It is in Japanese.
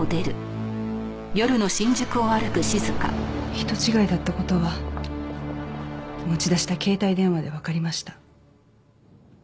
人違いだった事は持ち出した携帯電話でわかりました。